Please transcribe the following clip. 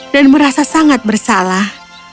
dan merasa sangat bersalah